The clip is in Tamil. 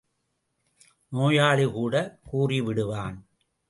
நோயாளி கூட கூறிவிடுவான்.